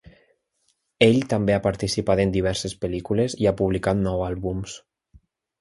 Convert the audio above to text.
Ell també ha participat en diverses pel·lícules i ha publicat nou àlbums.